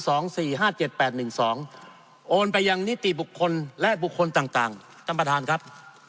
โอนไปยังนิติบุคคลและบุคคลต่างท่านประธานครับ